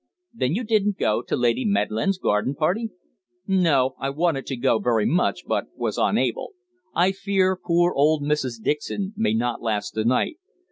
"Then you didn't go to Lady Medland's garden party?" "No. I wanted to go very much, but was unable. I fear poor old Mrs. Dixon may not last the night.